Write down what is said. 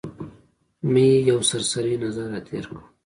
مې یو سرسري نظر را تېر کړ.